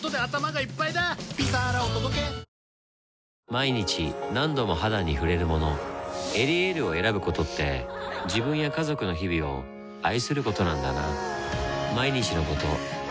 毎日何度も肌に触れるもの「エリエール」を選ぶことって自分や家族の日々を愛することなんだなぁ